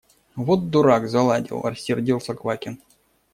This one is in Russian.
– Вот дурак – заладил! – рассердился Квакин.